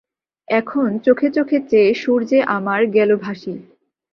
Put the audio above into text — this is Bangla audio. এখন চোখে চোখে চেয়ে সুর যে আমার গেল ভাসি।